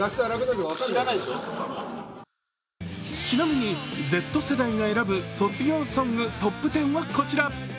ちなみにＺ世代が選ぶ卒業ソングトップ１０はこちら。